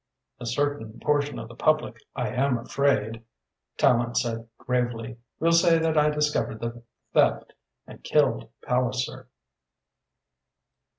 "A certain portion of the public, I am afraid," Tallente said gravely, "will say that I discovered the theft and killed Palliser."